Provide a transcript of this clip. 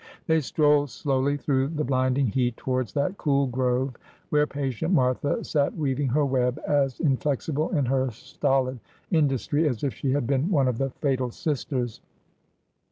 They strolled slowly through the blinding heat towards that cool grove where patient Martha sat weaving her web, as m flexible in her stolid industry as if she had been one of the fatal sisters.